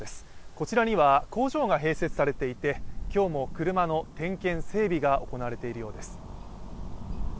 こちらには工場が併設されていて今日も車の点検・整備が行われているようです。